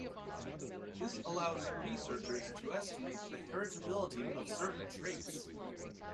This allows researchers to estimate the heritability of certain traits.